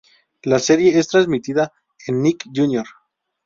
La serie es transmitida en Nick Jr.